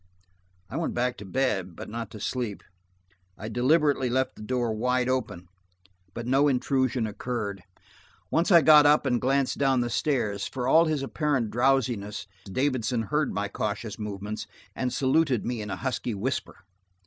I went back to bed, but not to sleep. I deliberately left the door wide open, but no intrusion occurred. Once I got up and glanced down the stairs. For all his apparent drowsiness, Davidson heard my cautious movements, and saluted me in a husky whisper.